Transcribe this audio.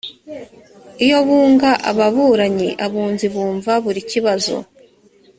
iyo bunga ababuranyi abunzi bumva buri kibazo